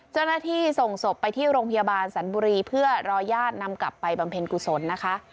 เจ้าหน้าที่ส่งศพไปที่โรงพยาบาลสันบุรีเพื่อรอญาตินำกลับไปบำเพ็ญกุศลนะคะ